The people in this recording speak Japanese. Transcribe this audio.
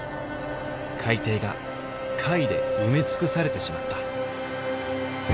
海底が貝で埋め尽くされてしまった。